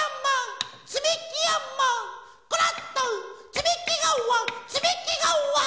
つみきがわつみきがわ！